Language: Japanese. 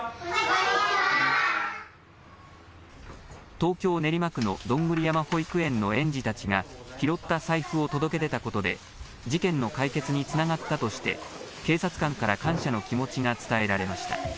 東京練馬区のどんぐり山保育園の園児たちが拾った財布を届け出たことで事件の解決につながったとして警察官から感謝の気持ちが伝えられました。